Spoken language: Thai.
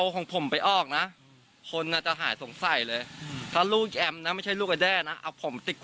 คบกันจริงไหม